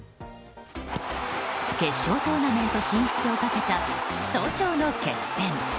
決勝トーナメント進出をかけた早朝の決戦。